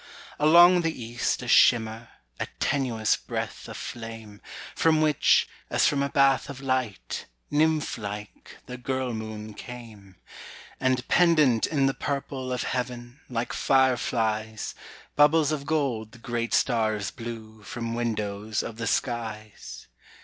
Along the east a shimmer, A tenuous breath of flame, From which, as from a bath of light, Nymph like, the girl moon came. And pendent in the purple Of heaven, like fireflies, Bubbles of gold the great stars blew From windows of the skies.